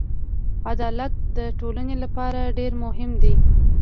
عدالت د ټولنې لپاره ډېر مهم دی.